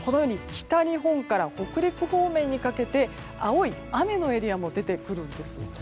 北日本から北陸方面にかけて青い雨のエリアも出てくるんです。